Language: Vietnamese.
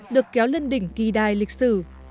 được kéo lên đỉnh kỳ đài lịch sử